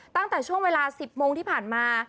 ตั้งแต่ช่วงเวลา๑๐โมงที่ผ่านมา